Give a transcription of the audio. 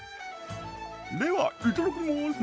ではいただきます。